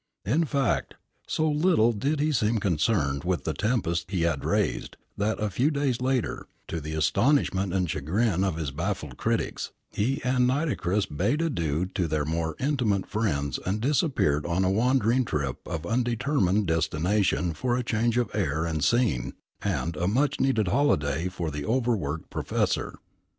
In fact, so little did he seem concerned with the tempest he had raised, that a few days later, to the astonishment and chagrin of his baffled critics, he and Nitocris bade adieu to their more intimate friends and disappeared on a wandering trip of undetermined destination for change of air and scene and a much needed holiday for the over worked Professor.